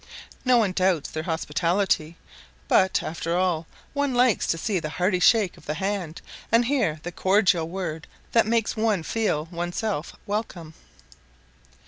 No one doubts their hospitality; but, after all, one likes to see the hearty shake of the hand, and hear the cordial word that makes one feel oneself welcome.